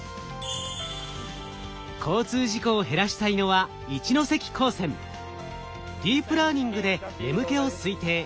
交通事故を減らしたいのはディープラーニングで眠気を推定。